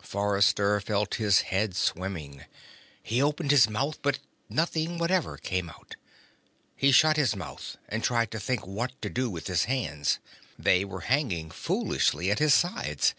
Forrester felt his head swimming. He opened his mouth but nothing whatever came out. He shut his mouth and tried to think what to do with his hands. They were hanging foolishly at his sides.